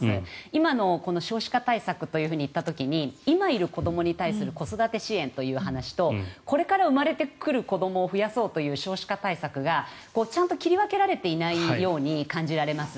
今の、少子化対策といった時に今いる子どもに対する子育て支援という話とこれから生まれてくる子どもを増やそうという少子化対策がちゃんと切り分けられていないように感じられます。